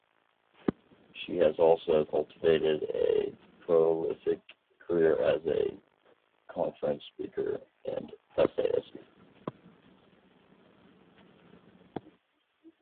She has also cultivated a prolific career as a conference speaker and essayist.